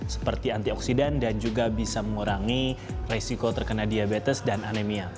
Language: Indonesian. seperti antioksidan dan juga bisa mengurangi resiko terkena diabetes dan anemia